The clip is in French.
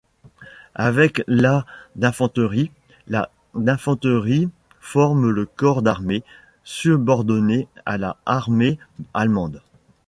Avec la d'infanterie, la d'infanterie forme le corps d'armée, subordonnée à la armée allemande.